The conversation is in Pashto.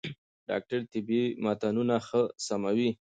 ډاکټر طبي متنونه ښه سموي.